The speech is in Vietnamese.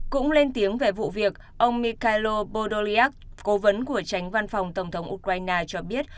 cũng lên tiếng về vụ việc ông nikailo bodok cố vấn của tránh văn phòng tổng thống ukraine cho biết